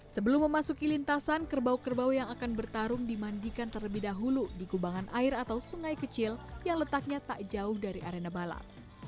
sebelum memasuki lintasan kerbau kerbau yang akan bertarung dimandikan terlebih dahulu di kubangan air atau sungai kecil yang letaknya tak jauh dari arena balap